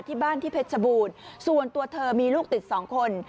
ที่บ้านที่เพชรชบูรณ์ส่วนตัวเธอมีลูกติดสองคน